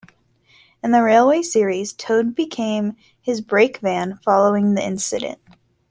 In the Railway Series, Toad became his brake van following this incident.